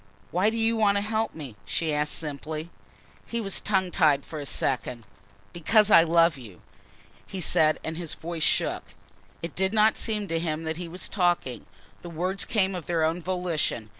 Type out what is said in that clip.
"Why do you want to help me?" she asked simply. He was tongue tied for a second. "Because I love you," he said, and his voice shook. It did not seem to him that he was talking. The words came of their own volition.